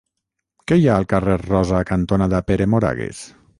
Què hi ha al carrer Rosa cantonada Pere Moragues?